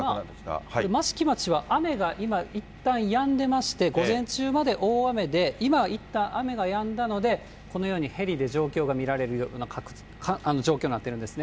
今、益城町は今、いったんやんでまして、午前中まで大雨で、今いったん雨がやんだので、このようにヘリで状況が見られるような状況になってるんですね。